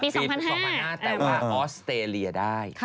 ปี๒๐๐๕แต่ว่าออสเตรเลียได้